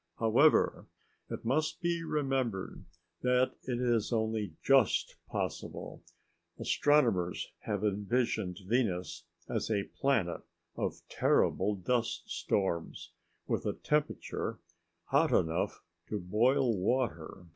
However, it must be remembered that it is only just possible. Astronomers have envisioned Venus as a planet of terrible dust storms, with a temperature hot enough to boil water.